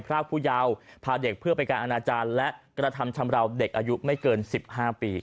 รากผู้ยาวพาเด็กเพื่อไปการอนาจารย์และกระทำชำราวเด็กอายุไม่เกิน๑๕ปี